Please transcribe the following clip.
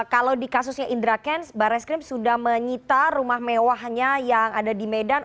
kalau di kasusnya indra kents barreskrim sudah menyita rumah mewahnya yang ada di medan